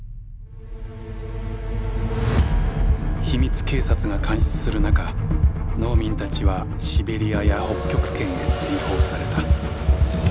秘密警察が監視する中農民たちはシベリアや北極圏へ追放された。